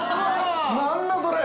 何だそれ！